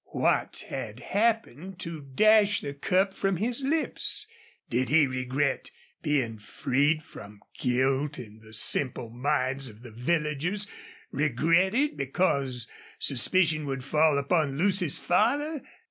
What had happened to dash the cup from his lips? Did he regret being freed from guilt in the simple minds of the villagers regret it because suspicion would fall upon Lucy's father?